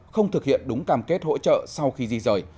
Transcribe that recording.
không thực hiện đúng cam kết hỗ trợ sau khi di rời